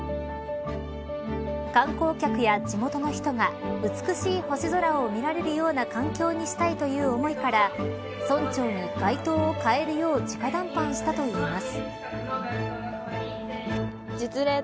観光客や地元の人が美しい星空を見られるような環境にしたいという思いから村長に街灯を変えるように直談判したといいます。